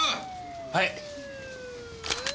はい！